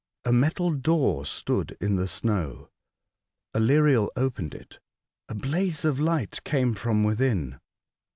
A metal door stood in the snow. Aleriel opened it. A blaze of light came from within.